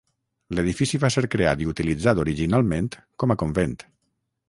L'edifici va ser creat i utilitzat originalment com a convent.